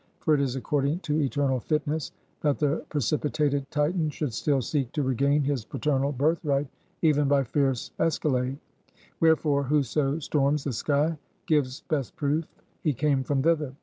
For it is according to eternal fitness, that the precipitated Titan should still seek to regain his paternal birthright even by fierce escalade. Wherefore whoso storms the sky gives best proof he came from thither!